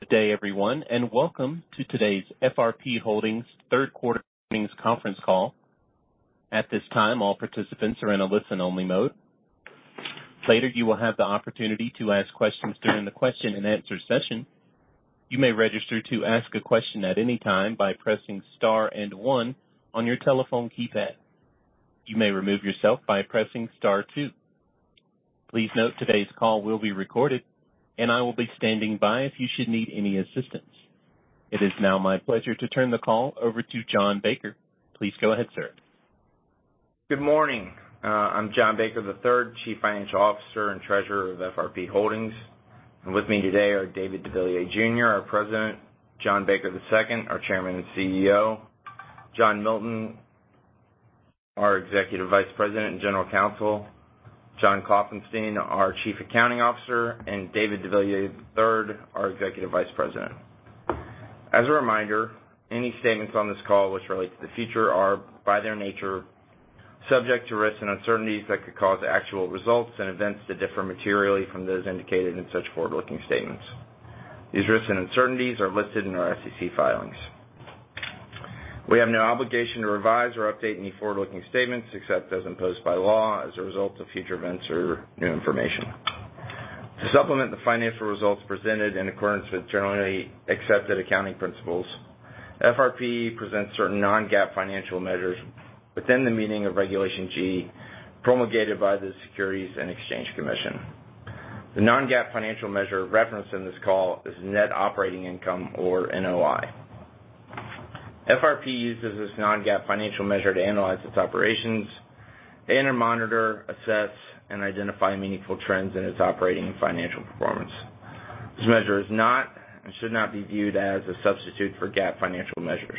Good day, everyone, and welcome to today's FRP Holdings Third Quarter Earnings Conference Call. At this time, all participants are in a listen-only mode. Later, you will have the opportunity to ask questions during the question and answer session. You may register to ask a question at any time by pressing star and one on your telephone keypad. You may remove yourself by pressing star two. Please note, today's call will be recorded, and I will be standing by if you should need any assistance. It is now my pleasure to turn the call over to John Baker. Please go ahead, sir. Good morning. I'm John Baker III, Chief Financial Officer and Treasurer of FRP Holdings. With me today are David deVilliers, Jr., our President. John Baker II, our Chairman and CEO. John Milton, our Executive Vice President and General Counsel. John Klopfenstein, our Chief Accounting Officer, and David deVilliers III, our Executive Vice President. As a reminder, any statements on this call which relate to the future are, by their nature, subject to risks and uncertainties that could cause actual results and events to differ materially from those indicated in such forward-looking statements. These risks and uncertainties are listed in our SEC filings. We have no obligation to revise or update any forward-looking statements, except as imposed by law as a result of future events or new information. To supplement the financial results presented in accordance with generally accepted accounting principles, FRP presents certain non-GAAP financial measures within the meaning of Regulation G, promulgated by the Securities and Exchange Commission. The non-GAAP financial measure referenced in this call is net operating income, or NOI. FRP uses this non-GAAP financial measure to analyze its operations and to monitor, assess, and identify meaningful trends in its operating and financial performance. This measure is not and should not be viewed as a substitute for GAAP financial measures.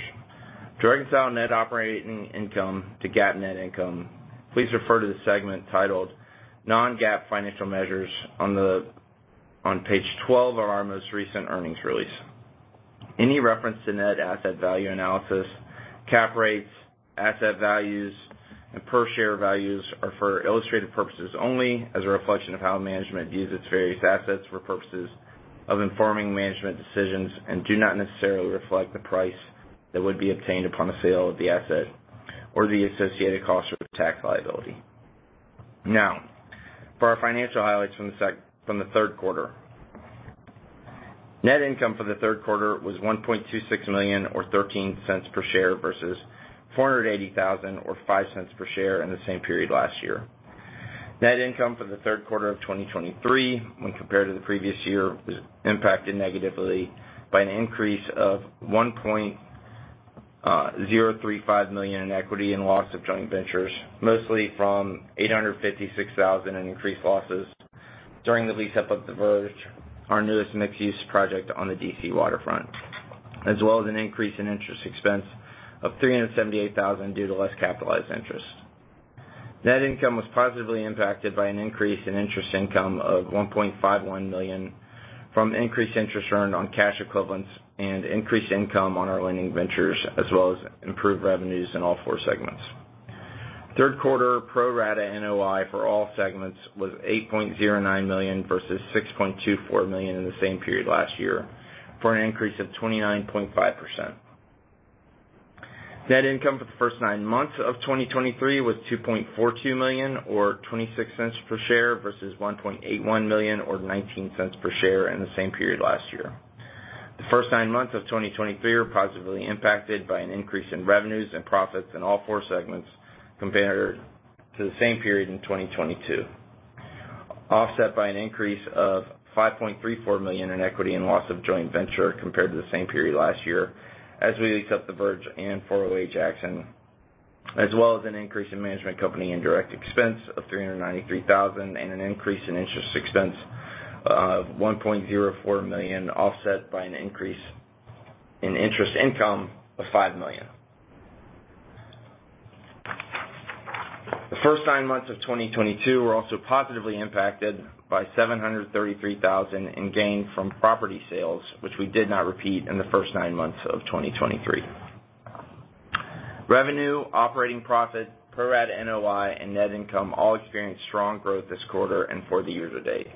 To reconcile net operating income to GAAP net income, please refer to the segment titled Non-GAAP Financial Measures on page 12 of our most recent earnings release. Any reference to net asset value analysis, cap rates, asset values, and per share values are for illustrative purposes only, as a reflection of how management views its various assets for purposes of informing management decisions, and do not necessarily reflect the price that would be obtained upon the sale of the asset or the associated costs or tax liability. Now, for our financial highlights from the third quarter. Net income for the third quarter was $1.26 million, or $0.13 per share, versus $480,000 or $0.05 per share in the same period last year. Net income for the third quarter of 2023, when compared to the previous year, was impacted negatively by an increase of $1.035 million in equity and loss of joint ventures, mostly from $856,000 in increased losses during the lease-up of The Verge, our newest mixed-use project on the D.C. waterfront, as well as an increase in interest expense of $378,000 due to less capitalized interest. Net income was positively impacted by an increase in interest income of $1.51 million from increased interest earned on cash equivalents and increased income on our lending ventures, as well as improved revenues in all four segments. Third quarter pro rata NOI for all segments was $8.09 million versus $6.24 million in the same period last year, for an increase of 29.5%. Net income for the first nine months of 2023 was $2.42 million, or $0.26 per share, versus $1.81 million, or $0.19 per share, in the same period last year. The first nine months of 2023 are positively impacted by an increase in revenues and profits in all four segments compared to the same period in 2022, offset by an increase of $5.34 million in equity and loss of joint venture compared to the same period last year, as we accept The Verge and .408 Jackson, as well as an increase in management company indirect expense of $393,000, and an increase in interest expense of $1.04 million, offset by an increase in interest income of $5 million. The first nine months of 2022 were also positively impacted by $733,000 in gain from property sales, which we did not repeat in the first nine months of 2023. Revenue, operating profit, pro rata NOI, and net income all experienced strong growth this quarter and for the year-to-date.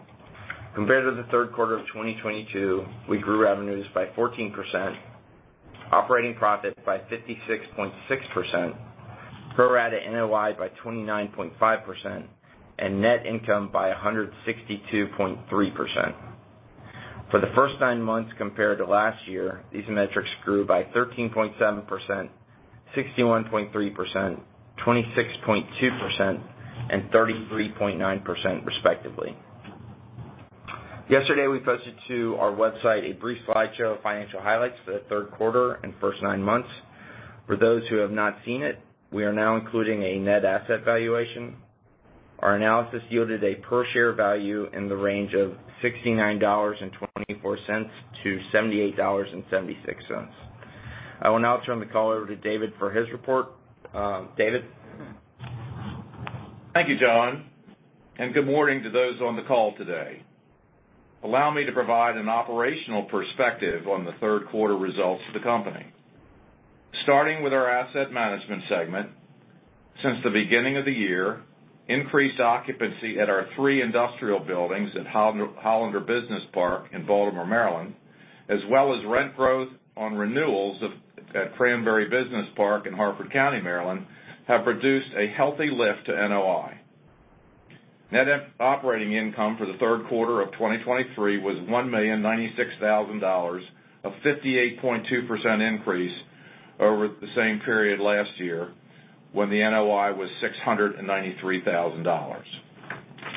Compared to the third quarter of 2022, we grew revenues by 14%, operating profit by 56.6%, pro forma NOI by 29.5%, and net income by 162.3%. For the first nine months compared to last year, these metrics grew by 13.7%, 61.3%, 26.2%, and 33.9% respectively. Yesterday, we posted to our website a brief slideshow of financial highlights for the third quarter and first nine months. For those who have not seen it, we are now including a net asset valuation. Our analysis yielded a per share value in the range of $69.24-$78.76. I will now turn the call over to David for his report. David? Thank you, John, and good morning to those on the call today. Allow me to provide an operational perspective on the third quarter results of the company. Starting with our asset management segment. Since the beginning of the year, increased occupancy at our three industrial buildings at Hollander Business Park in Baltimore, Maryland, as well as rent growth on renewals at Cranberry Run Business Park in Harford County, Maryland, have produced a healthy lift to NOI. Net operating income for the third quarter of 2023 was $1.096 million, a 58.2% increase over the same period last year, when the NOI was $693,000.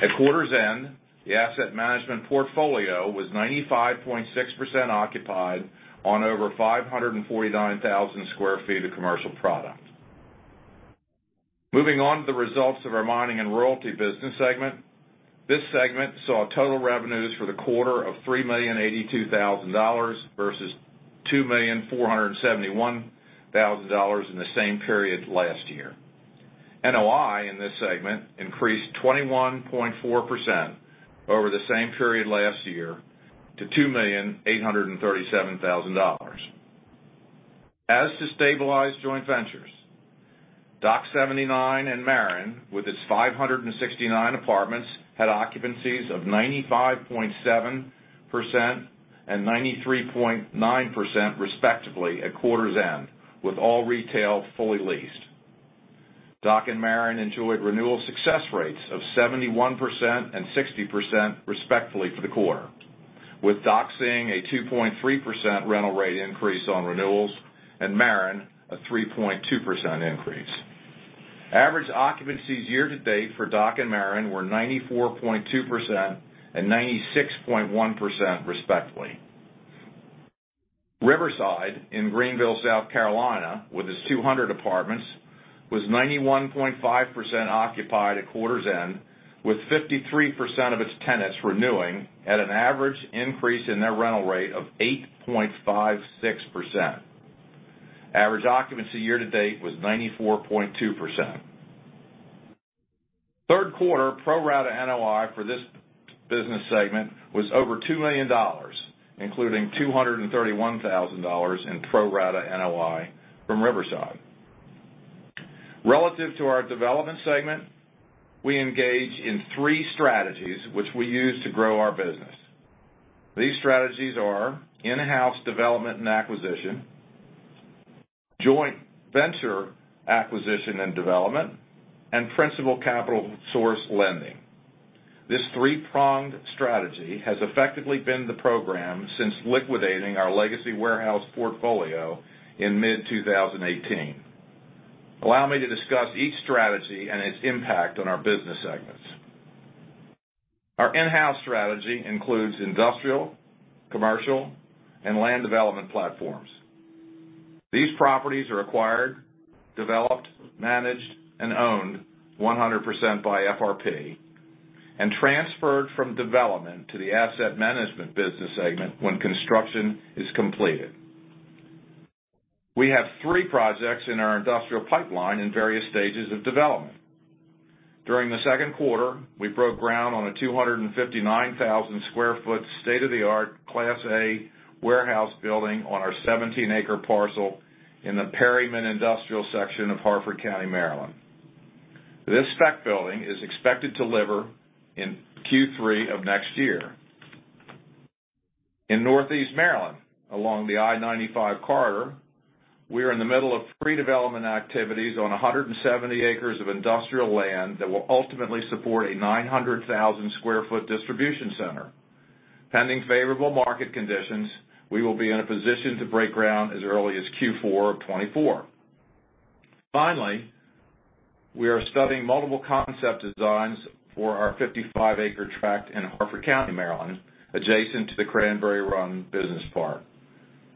At quarter's end, the asset management portfolio was 95.6% occupied on over 549,000 sq ft of commercial product. Moving on to the results of our mining and royalty business segment. This segment saw total revenues for the quarter of $3.082 million versus $2.471 million in the same period last year. NOI in this segment increased 21.4% over the same period last year to $2.837 million. As to stabilized joint ventures, Dock 79 and Maren, with its 569 apartments, had occupancies of 95.7% and 93.9% respectively at quarter's end, with all retail fully leased. Dock and Maren enjoyed renewal success rates of 71% and 60%, respectively, for the quarter, with Dock seeing a 2.3% rental rate increase on renewals and Maren, a 3.2% increase. Average occupancies year to date for Dock and Maren were 94.2% and 96.1%, respectively. Riverside in Greenville, South Carolina, with its 200 apartments, was 91.5% occupied at quarter's end, with 53% of its tenants renewing at an average increase in their rental rate of 8.56%. Average occupancy year-to-date was 94.2%. Third quarter pro rata NOI for this business segment was over $2 million, including $231,000 in pro rata NOI from Riverside. Relative to our development segment, we engage in three strategies which we use to grow our business. These strategies are in-house development and acquisition, joint venture acquisition and development, and principal capital source lending. This three-pronged strategy has effectively been the program since liquidating our legacy warehouse portfolio in mid-2018. Allow me to discuss each strategy and its impact on our business segments. Our in-house strategy includes industrial, commercial, and land development platforms. These properties are acquired, developed, managed, and owned 100% by FRP, and transferred from development to the asset management business segment when construction is completed. We have three projects in our industrial pipeline in various stages of development. During the second quarter, we broke ground on a 259,000 sq ft, state-of-the-art, Class A warehouse building on our 17-acre parcel in the Perryman industrial section of Harford County, Maryland. This spec building is expected to deliver in Q3 of next year. In Northeast Maryland, along the I-95 corridor, we are in the middle of pre-development activities on 170 acres of industrial land that will ultimately support a 900,000 sq ft distribution center. Pending favorable market conditions, we will be in a position to break ground as early as Q4 of 2024. Finally, we are studying multiple concept designs for our 55-acre tract in Harford County, Maryland, adjacent to the Cranberry Run Business Park.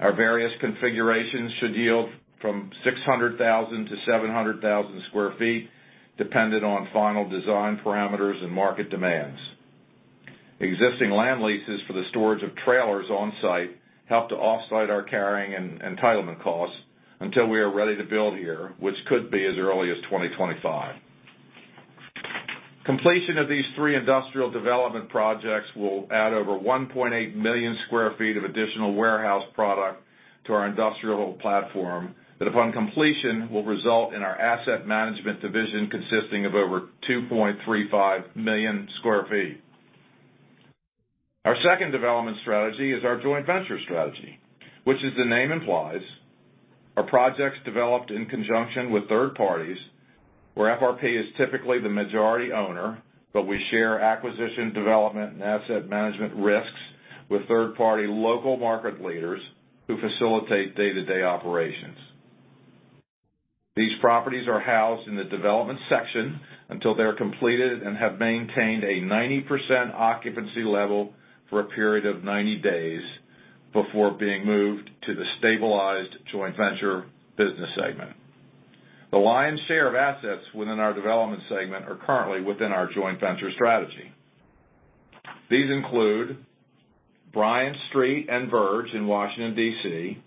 Our various configurations should yield from 600,000 sq ft-700,000 sq ft, dependent on final design parameters and market demands. Existing land leases for the storage of trailers on site help to offset our carrying and entitlement costs until we are ready to build here, which could be as early as 2025. Completion of these three industrial development projects will add over 1.8 million sq ft of additional warehouse product to our industrial platform, that upon completion, will result in our asset management division consisting of over 2.35 million sq ft. Our second development strategy is our joint venture strategy, which, as the name implies, are projects developed in conjunction with third parties, where FRP is typically the majority owner, but we share acquisition, development, and asset management risks with third-party local market leaders who facilitate day-to-day operations. These properties are housed in the development section until they are completed and have maintained a 90% occupancy level for a period of 90 days before being moved to the stabilized joint venture business segment. The lion's share of assets within our development segment are currently within our joint venture strategy. These include Bryant Street and Verge in Washington, D.C.,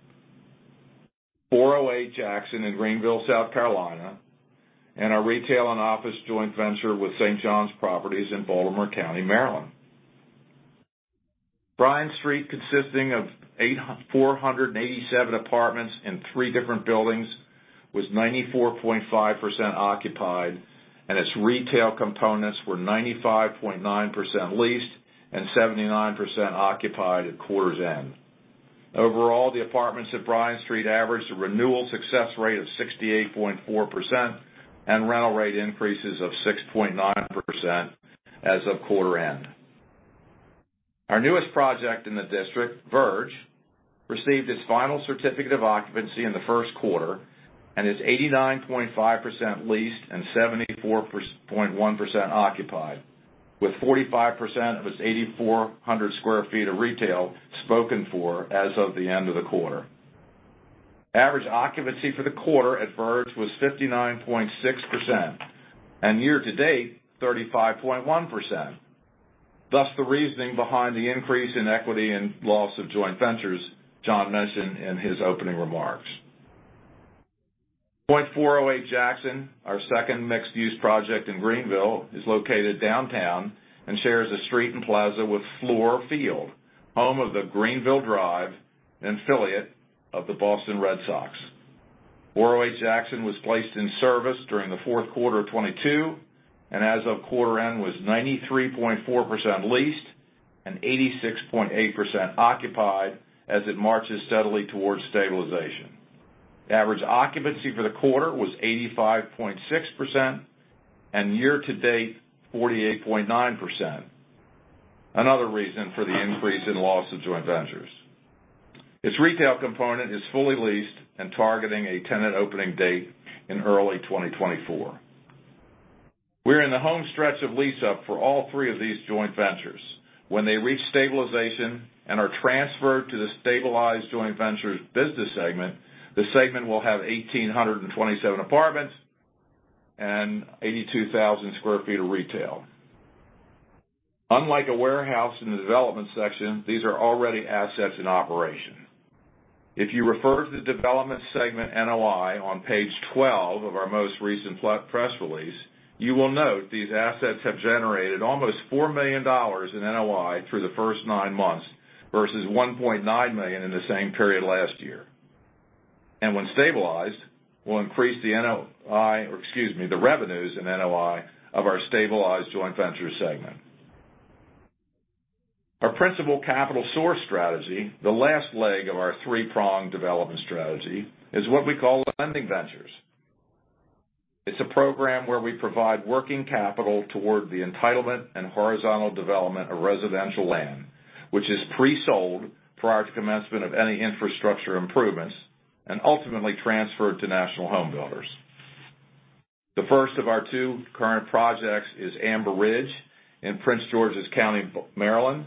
.408 Jackson in Greenville, South Carolina, and our retail and office joint venture with St. John Properties in Baltimore County, Maryland. Bryant Street, consisting of 487 apartments in three different buildings, was 94.5% occupied, and its retail components were 95.9% leased and 79% occupied at quarter's end. Overall, the apartments at Bryant Street averaged a renewal success rate of 68.4% and rental rate increases of 6.9% as of quarter end. Our newest project in the district, Verge, received its final certificate of occupancy in the first quarter and is 89.5% leased and 74.1% occupied, with 45% of its 8,400 sq ft of retail spoken for as of the end of the quarter. Average occupancy for the quarter at Verge was 59.6%, and year-to-date, 35.1%. Thus, the reasoning behind the increase in equity and loss of joint ventures John mentioned in his opening remarks. .408 Jackson, our second mixed-use project in Greenville, is located downtown and shares a street and plaza with Fluor Field, home of the Greenville Drive, an affiliate of the Boston Red Sox. .408 Jackson was placed in service during the fourth quarter of 2022, and as of quarter end, was 93.4% leased and 86.8% occupied as it marches steadily towards stabilization. The average occupancy for the quarter was 85.6%, and year-to-date, 48.9%. Another reason for the increase in loss of joint ventures. Its retail component is fully leased and targeting a tenant opening date in early 2024. We're in the home stretch of lease-up for all three of these joint ventures. When they reach stabilization and are transferred to the stabilized joint ventures business segment, the segment will have 1,827 apartments and 82,000 sq ft of retail. Unlike a warehouse in the development section, these are already assets in operation. If you refer to the development segment NOI on page 12 of our most recent press release, you will note these assets have generated almost $4 million in NOI through the first 9 months versus $1.9 million in the same period last year. And when stabilized, will increase the NOI, or excuse me, the revenues and NOI of our stabilized joint venture segment. Our principal capital source strategy, the last leg of our three-pronged development strategy, is what we call lending ventures. It's a program where we provide working capital toward the entitlement and horizontal development of residential land, which is pre-sold prior to commencement of any infrastructure improvements and ultimately transferred to national homebuilders. The first of our two current projects is Amber Ridge in Prince George's County, Maryland,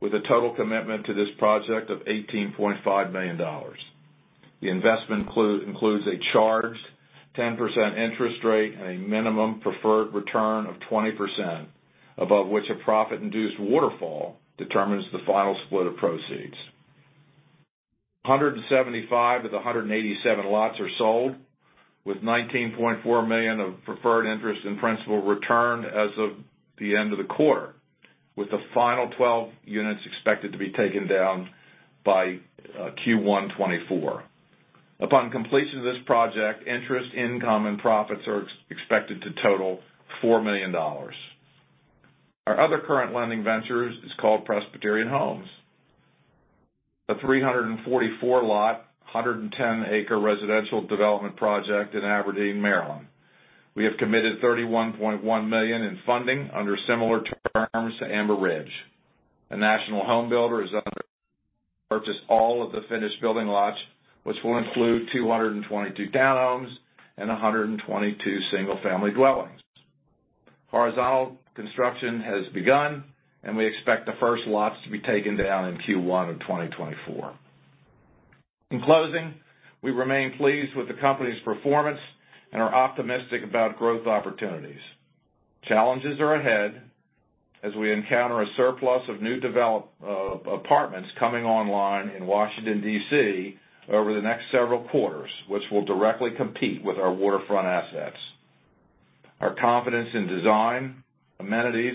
with a total commitment to this project of $18.5 million. The investment includes a charged 10% interest rate and a minimum preferred return of 20%, above which a profit-induced waterfall determines the final split of proceeds. 175 of the 187 lots are sold, with $19.4 million of preferred interest and principal returned as of the end of the quarter, with the final 12 units expected to be taken down by Q1 2024. Upon completion of this project, interest income and profits are expected to total $4 million. Our other current lending ventures is called Presbyterian Homes, a 344-lot, 110-acre residential development project in Aberdeen, Maryland. We have committed $31.1 million in funding under similar terms to Amber Ridge. A national homebuilder is under purchase all of the finished building lots, which will include 222 townhomes and 122 single-family dwellings. Horizontal construction has begun, and we expect the first lots to be taken down in Q1 of 2024. In closing, we remain pleased with the company's performance and are optimistic about growth opportunities. Challenges are ahead as we encounter a surplus of new develop, apartments coming online in Washington, D.C., over the next several quarters, which will directly compete with our waterfront assets. Our confidence in design, amenities,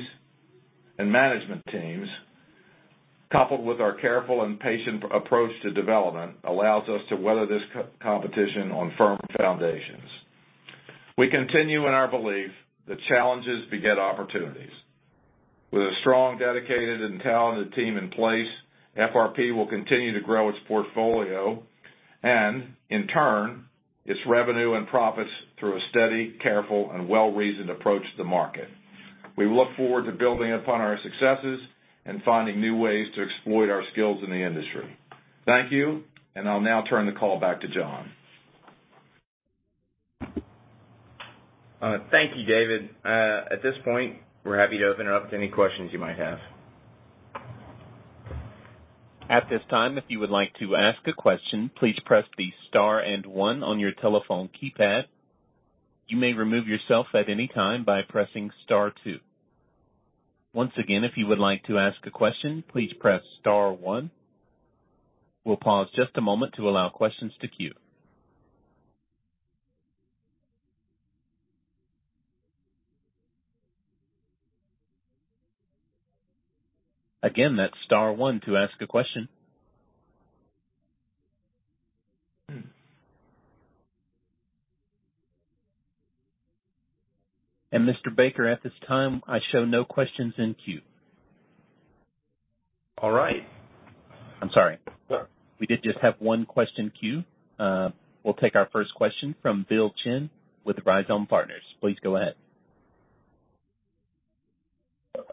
and management teams, coupled with our careful and patient approach to development, allows us to weather this competition on firm foundations. We continue in our belief that challenges beget opportunities. With a strong, dedicated, and talented team in place, FRP will continue to grow its portfolio and, in turn, its revenue and profits through a steady, careful, and well-reasoned approach to the market. We look forward to building upon our successes and finding new ways to exploit our skills in the industry. Thank you, and I'll now turn the call back to John. Thank you, David. At this point, we're happy to open her up to any questions you might have. At this time, if you would like to ask a question, please press the star and one on your telephone keypad. You may remove yourself at any time by pressing star two. Once again, if you would like to ask a question, please press star one. We'll pause just a moment to allow questions to queue. Again, that's star one to ask a question. Mr. Baker, at this time, I show no questions in queue. All right. I'm sorry. Sure. We did just have one question in queue. We'll take our first question from Bill Chen with Rhizome Partners. Please go ahead.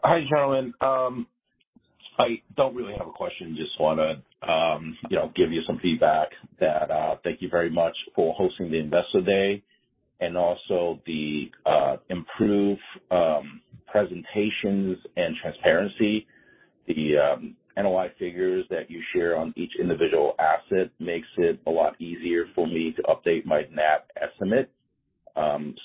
Hi, gentlemen. I don't really have a question. Just wanna, you know, give you some feedback that, thank you very much for hosting the Investor Day and also the, improved, presentations and transparency. The NOI figures that you share on each individual asset makes it a lot easier for me to update my NAV estimate.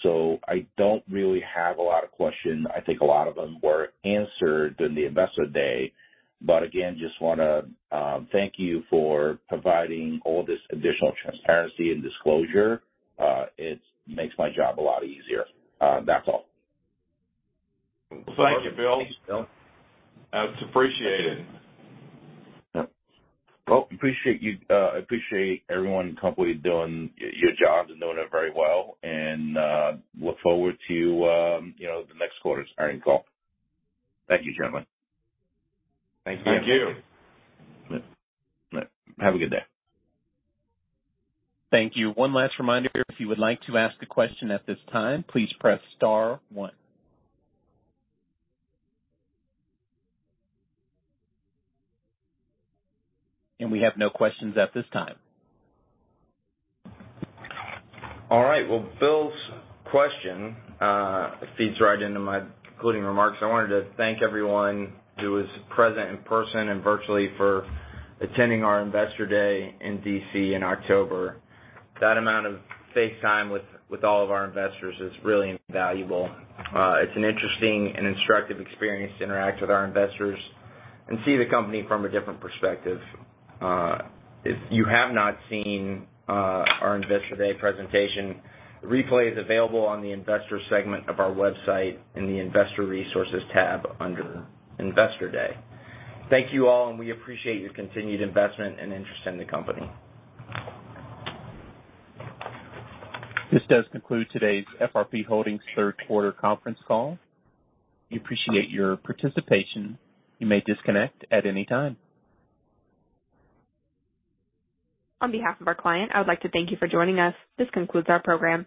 So I don't really have a lot of questions. I think a lot of them were answered in the Investor Day. But again, just wanna, thank you for providing all this additional transparency and disclosure. It makes my job a lot easier. That's all. Thank you, Bill. Thanks, Bill. It's appreciated. Well, I appreciate everyone in the company doing your jobs and doing it very well, and look forward to, you know, the next quarter's earnings call. Thank you, gentlemen. Thank you. Thank you. Have a good day. Thank you. One last reminder, if you would like to ask a question at this time, please press star one. We have no questions at this time. All right, well, Bill's question feeds right into my concluding remarks. I wanted to thank everyone who was present in person and virtually for attending our Investor Day in D.C. in October. That amount of face time with, with all of our investors is really invaluable. It's an interesting and instructive experience to interact with our investors and see the company from a different perspective. If you have not seen our Investor Day presentation, the replay is available on the investor segment of our website in the investor resources tab under Investor Day. Thank you all, and we appreciate your continued investment and interest in the company. This does conclude today's FRP Holdings third quarter conference call. We appreciate your participation. You may disconnect at any time. On behalf of our client, I would like to thank you for joining us. This concludes our program.